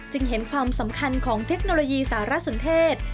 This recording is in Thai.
เห็นความสำคัญของเทคโนโลยีสารสนเทศ